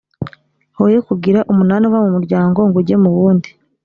hoye kugira umunani uva mu muryango ngo ujye mu wundi.